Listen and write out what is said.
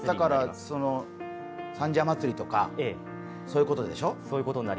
三社祭とか、そういうことでしょ？